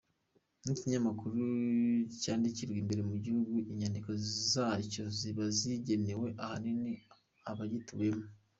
Nk’ikinyamakuru cyandikirwa imbere mu gihugu, inyandiko zacyo ziba zigenewe ahanini abagituyemo.